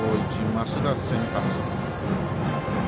増田、先発。